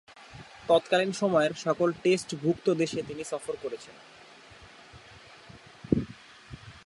তৎকালীন সময়ের সকল টেস্টভূক্ত দেশে তিনি সফর করেছেন।